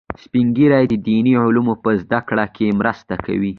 سپین ږیری د دیني علومو په زده کړه کې مرسته کوي